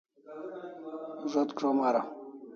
Zo't krom araw